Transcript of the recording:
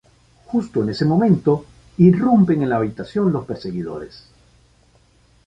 Justo en ese momento, irrumpen en la habitación los perseguidores.